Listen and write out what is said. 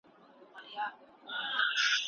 څه شي انسان له نورو ژویو جلا کوي؟